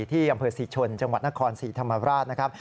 ที่อำเภอศรีชนจังหวัดนครศรีธรรมราชนะครับ